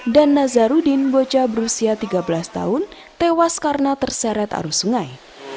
dan nazarudin bocah berusia tiga belas tahun tewas karena terseret arus sungai